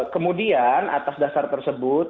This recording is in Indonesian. kemudian atas dasar tersebut